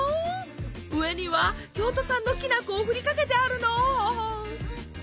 上には京都産のきな粉をふりかけてあるの。